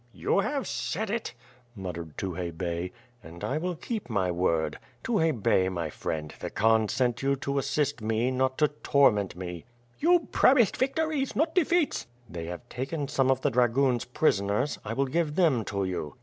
"You have said it," muttered Tukhay Bey. "And I will keep my word. Tukhay Bey, my friend, the Khan sent you to assist me, not to torment me." "You promised victories, not defeats." "They have taken some of the dragoons prisoners, I will give them to you."